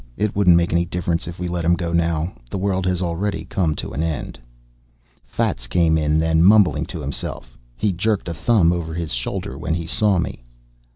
"It wouldn't make any difference if we let him go now. The world has already come to an end." Fats came in then, mumbling to himself. He jerked a thumb over his shoulder when he saw me.